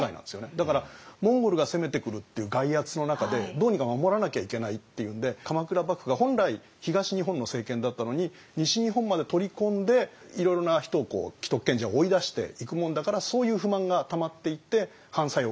だからモンゴルが攻めてくるっていう外圧の中でどうにか守らなきゃいけないっていうんで鎌倉幕府が本来東日本の政権だったのに西日本まで取り込んでいろいろな人を既得権者を追い出していくもんだからそういう不満がたまっていって反作用が起こるっていう。